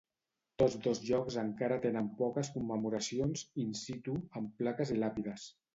Tots dos llocs encara tenen poques commemoracions "in situ" amb plaques i làpides.